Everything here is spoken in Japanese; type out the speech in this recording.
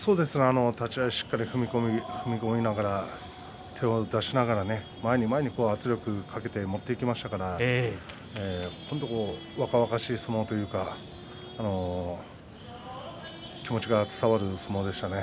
立ち合いしっかり踏み込みながら手を出しながら前に前に圧力をかけて持っていきましたから本当に若々しい相撲というか気持ちが伝わる相撲でしたね。